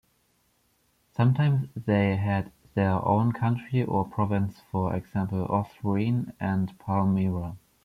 Sometimes they had their own country, or province for example Osroene, and Palmyra.